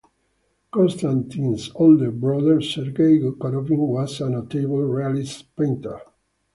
Konstantin's older brother Sergei Korovin was a notable realist painter.